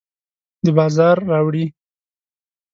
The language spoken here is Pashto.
د بازار راوړي